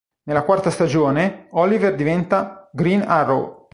Nella quarta stagione, Oliver diventa "Green Arrow".